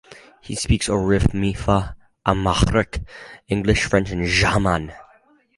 He speaks Oromiffa, Amharic, English, French and German.